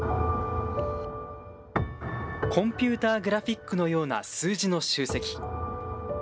コンピューターグラフィックのような数字の集積。